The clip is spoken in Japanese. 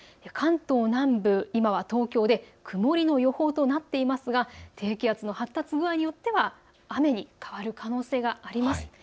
関東南部、今は東京で曇りの予報となっていますが低気圧の発達具合によっては雨に変わる可能性があります。